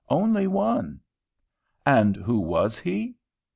Only one! And who was he?